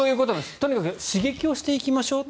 とにかく刺激をしていきましょう。